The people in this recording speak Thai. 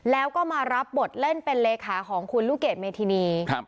แล้วก็มารับบทเล่นเป็นเลขาของคุณลูกเกดเมธินี